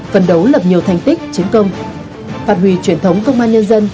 phần đấu lập nhiều thành tích chiến công phạt hủy truyền thống công an nhân dân